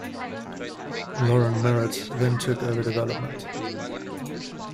Loren Merritt then took over development.